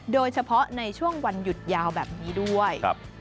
โดยเฉพาะในช่วงวันหยุดยาวแบบนี้ด้วย